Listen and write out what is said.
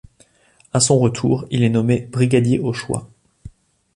A son retour, il est nommé brigadier au choix.